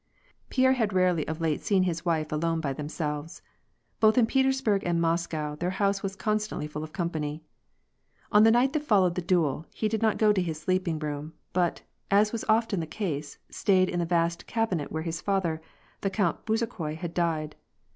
PiERBB had rarely of late seen his wife alone by themselves. Both in Petersburg and Moscow, their house was constantly fall of company. On the night that followed the duel, he did not go to his sleeping room, but, as was often the case, stayed in the vast cabinet where his fatM^, the Count Bezhukhoi, had died.